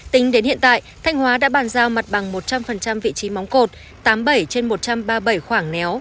tính đến hiện tại thanh hóa đã bàn giao mặt bằng một trăm linh vị trí móng cột tám mươi bảy trên một trăm ba mươi bảy khoảng néo